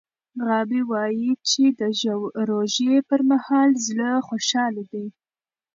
غابي وايي چې د روژې پر مهال زړه خوشحاله دی.